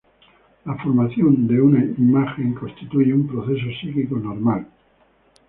La formación de una imago constituye un proceso psíquico normal.